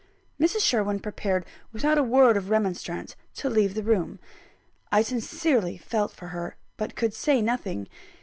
Mrs. Sherwin prepared, without a word of remonstrance, to leave the room. I sincerely felt for her; but could say nothing.